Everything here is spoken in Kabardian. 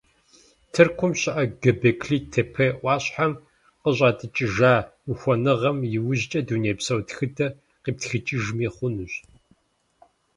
Тыркум щыӀэ Гёбекли-Тепе Ӏуащхьэм къыщӀатӀыкӀыжа ухуэныгъэм иужькӀэ дунейпсо тхыдэр къиптхыкӀыжми хъунущ.